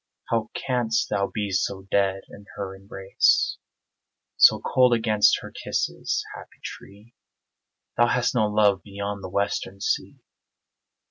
How canst thou be so dead in her embrace So cold against her kisses, happy tree? Thou hast no love beyond the western sea.